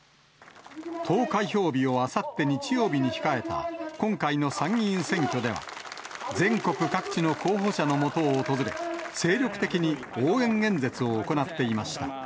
投開票日をあさって日曜日に控えた今回の参議院選挙では、全国各地の候補者のもとを訪れ、精力的に応援演説を行っていまし